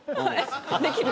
できる？